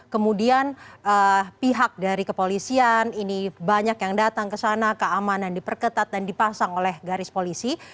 kemudian pihak dari kepolisian ini banyak yang datang ke sana keamanan diperketat dan dipasang oleh garis polisi